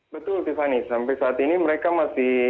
betul tiffany sampai saat ini mereka masih